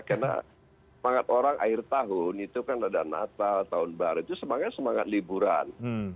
karena semangat orang akhir tahun itu kan ada natal tahun baru itu semangat semangat liburan